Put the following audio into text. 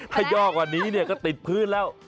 ถ้าย่อกว่านี้เนี่ยก็ติดพื้นแล้ว